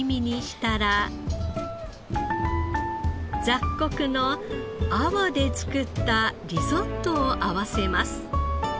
雑穀のアワで作ったリゾットを合わせます。